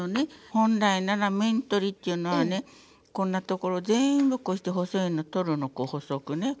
本来なら面取りっていうのはねこんな所全部こうして細いの取るのこう細くねこう。